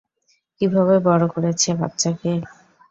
কীভাবে বড় করেছে বাচ্চাকে!